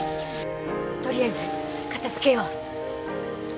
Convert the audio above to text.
とりあえず片付けよう。